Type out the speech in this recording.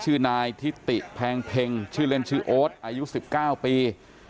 ชื่อนายทิติแพงเพ็งชื่อเล่นชื่อโอ๊ตอายุ๑๙ปี